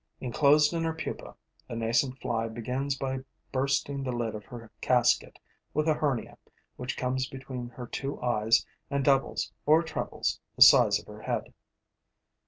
Enclosed in her pupa, the nascent fly begins by bursting the lid of her casket with a hernia which comes between her two eyes and doubles or trebles the size of her head.